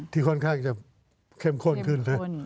ค่อนข้างจะเข้มข้นขึ้นนะ